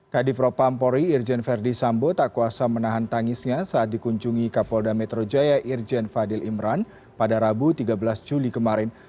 kadifropampori irjen verdi sambo tak kuasa menahan tangisnya saat dikunjungi kapolda metro jaya irjen fadil imran pada rabu tiga belas juli kemarin